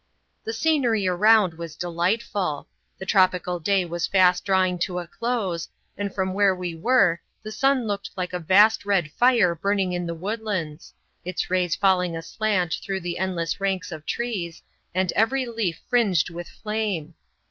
The scenery around was delightful. The tropical day was fast drawing to a close; and from where we were, the sun looked like a vast red fire burning in the woodlands — its rays falling aslant through the endless ranks of trees, and every leaf fringed with flame.